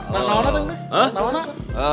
nah apaan itu